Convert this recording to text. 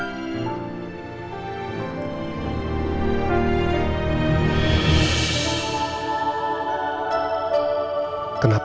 saya sudah berjaga jaga